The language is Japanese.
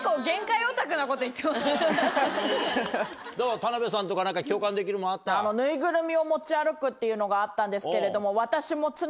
田辺さんとか何か共感できるものあった？っていうのがあったんですけれども。